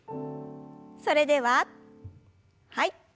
それでははい。